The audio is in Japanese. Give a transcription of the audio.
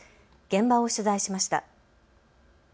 現場を取材しました。